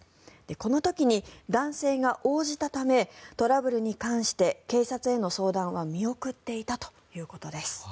この時に男性が応じたためトラブルに関して警察への相談は見送っていたということです。